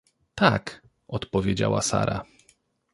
— Tak — odpowiedziała Sara.